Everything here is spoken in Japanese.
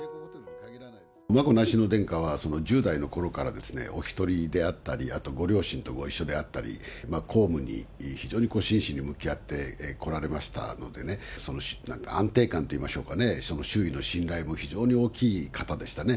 眞子内親王殿下は１０代のころからですね、お一人であったり、あとご両親とご一緒であったり、公務に非常に真摯に向き合ってこられましたのでね、その安定感といいましょうかね、周囲の信頼も非常に大きい方でしたね。